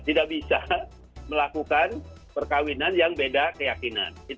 tidak bisa melakukan perkawinan yang beda keyakinan